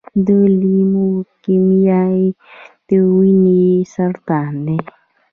د لیوکیمیا د وینې سرطان دی.